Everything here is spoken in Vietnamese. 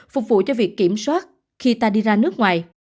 phục vụ cho việc kiểm soát khi ta đi ra nước ngoài